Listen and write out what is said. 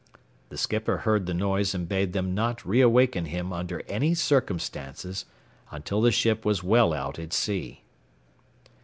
The skipper heard the noise and bade them not reawaken him under any circumstances until the ship was well out at sea.